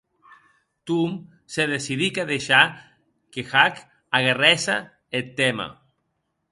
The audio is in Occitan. Tom se decidic a deishar que Huck agarrèsse eth tèma.